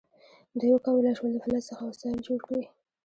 دوی وکولی شول له فلز څخه وسایل جوړ کړي.